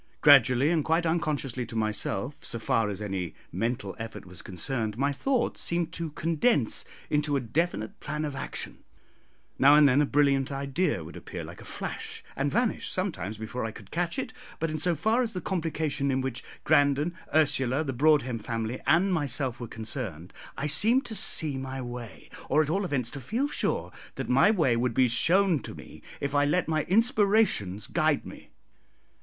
Gradually, and quite unconsciously to myself, so far as any mental effort was concerned, my thoughts seemed to condense into a definite plan of action; now and then a brilliant idea would appear like a flash, and vanish sometimes before I could catch it; but in so far as the complication in which Grandon, Ursula, the Broadhem family, and myself were concerned, I seemed to see my way, or at all events to feel sure that my way would be shown to me, if I let my inspirations guide me.